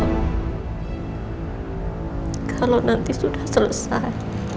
kalau nanti sudah selesai